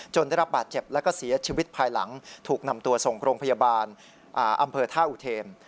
ได้รับบาดเจ็บแล้วก็เสียชีวิตภายหลังถูกนำตัวส่งโรงพยาบาลอำเภอท่าอุเทม